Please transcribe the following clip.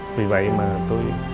vì vậy mà tôi